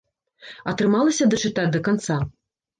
Атрымалася дачытаць да канца?